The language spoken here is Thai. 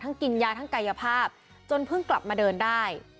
กินยาทั้งกายภาพจนเพิ่งกลับมาเดินได้